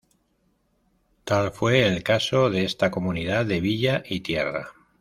Tal fue el caso de esta comunidad de villa y tierra.